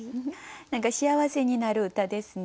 何か幸せになる歌ですね。